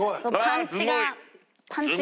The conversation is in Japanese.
パンチが。